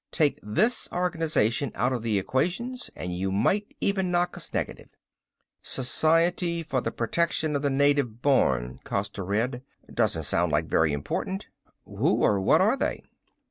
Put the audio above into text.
"Take this organization out of the equations and you might even knock us negative." "Society for the Protection of the Native Born," Costa read. "Doesn't sound like very important. Who or what are they?"